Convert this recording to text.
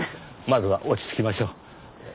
まずは落ち着きましょう。